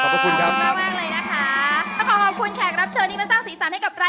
มากมากเลยนะคะ